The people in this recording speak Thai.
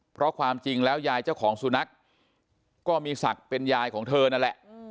เพราะความจริงแล้วยายเจ้าของสุนัขก็มีศักดิ์เป็นยายของเธอนั่นแหละ